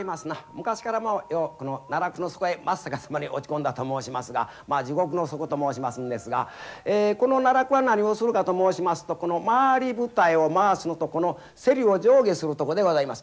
昔からこの奈落の底へ真っ逆さまに落ち込んだと申しますがまあ地獄の底と申しますんですがこの奈落は何をするかと申しますとこの回り舞台を回すのとこのセリを上下するとこでございます。